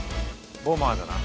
ボマーだな？